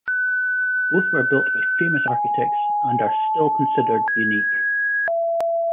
Both were built by famous architects and are still considered unique.